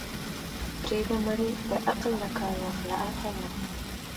پرېده مړې د عقل نه کار واخله عقل نه.